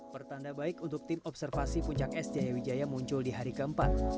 pertanda baik untuk tim observasi puncak es jaya wijaya muncul di hari keempat